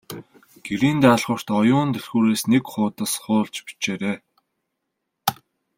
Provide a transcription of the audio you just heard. Гэрийн даалгаварт Оюун түлхүүрээс нэг хуудас хуулж бичээрэй.